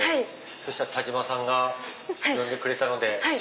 そしたら田島さんが呼んでくれたので。